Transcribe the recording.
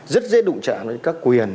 rất dễ đụng trả các quyền